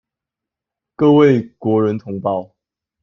各位國人同胞